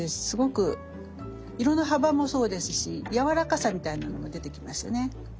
すごく色の幅もそうですしやわらかさみたいなのも出てきますね。